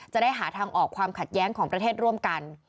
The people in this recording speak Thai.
จะได้หาทางออกความขัดแย้งของประเทศร่วมกัน